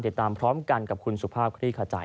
ติดตามพร้อมกันกับคุณสุภาพคลี่ขจาย